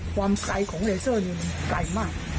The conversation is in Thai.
ความไกลของเลเซอร์นี่มันไกลมาก